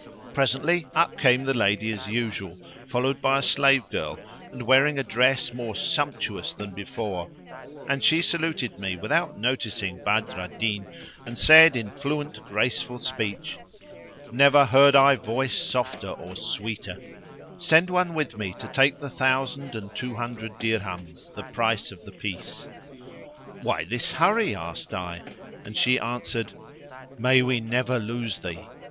Presently up came the lady as usual, followed by a slave girl and wearing a dress more sumptuous than before; and she saluted me without noticing Badr al Din and said in fluent graceful speech (never heard I voice softer or sweeter), "Send one with me to take the thousand and two hundred dirhams, the price of the piece." "Why this hurry?" asked I and she answered, "May we never lose thee!"